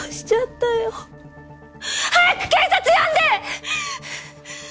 早く警察呼んで！！